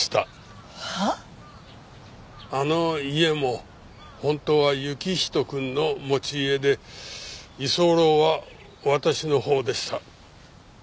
あの家も本当は行人くんの持ち家で居候は私のほうでした。